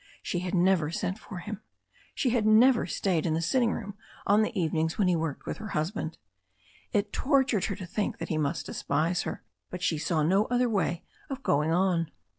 She had never sent for him. She had never stayed in the sitting room on the evenings when he had worked with her husband. It tortured her to think that he must despise her, but she saw no other way of going on.